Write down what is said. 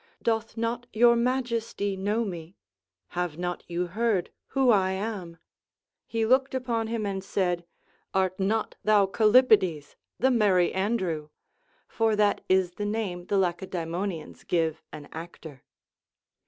Doth not your majesty know me 1 Have not you heard Avho I am? — he looked upon him and said, Art not thou Callipides, the Merry Andrew ?* (For that is the name the Lacedaemonians give an actor.)